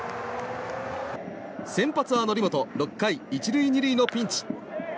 先発は則本６回１塁２塁のピンチ。